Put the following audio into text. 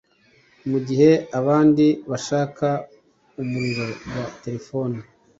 mu gihe abandi bashaka umuriro wa telefone